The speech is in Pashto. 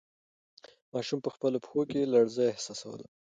ماشوم په خپلو پښو کې لړزه احساسوله.